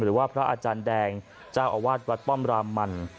หรือว่าพระอาจารย์แดงเจ้าอาวาสวัดป้อมรามมัน